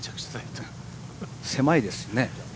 狭いですよね。